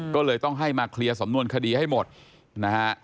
ก็เลยต้องให้มาเคลียร์สำนวนคดีให้หมดนะฮะ